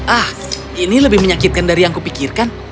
ah ini lebih menyakitkan dari yang kupikirkan